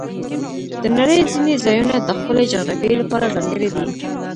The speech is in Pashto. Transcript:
د نړۍ ځینې ځایونه د خپلې جغرافیې لپاره ځانګړي دي.